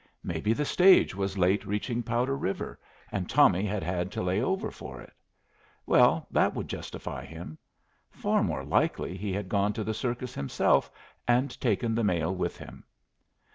Maybe the stage was late reaching Powder River, and Tommy had had to lay over for it. Well, that would justify him. Far more likely he had gone to the circus himself and taken the mail with him.